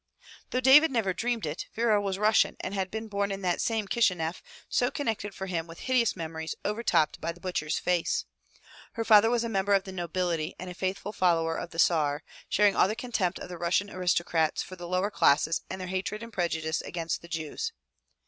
Though David never dreamed it. Vera was Russian and had been born in that same Kishineff so connected for him with hideous memories overtopped by the butcher's face." Her father was a member of the nobility and a faithful follower of the Tsar, sharing all the contempt of the Russian aristocrats for the lower classes and their hatred and prejudice against the Jews.